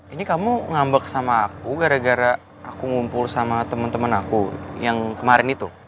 ini kamu ngambek sama aku gara gara aku ngumpul sama teman teman aku yang kemarin itu